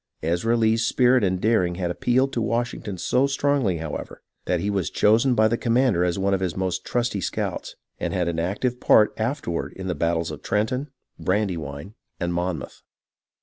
Ezra Lee's spirit and daring had appealed to Washington so strongly, however, that he was chosen by the commander as one of his most trusty scouts, and had an active part afterward in the battles of Trenton, Brandywine, and Monmouth.